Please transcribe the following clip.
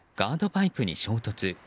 パイプに衝突。